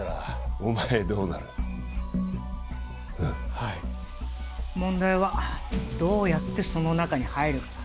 はい問題はどうやってその中に入るかだ